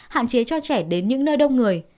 hạn chế cho trẻ đến những nơi đông người